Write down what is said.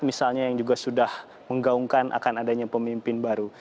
misalnya yang juga sudah menggaungkan akan adanya pemimpin baru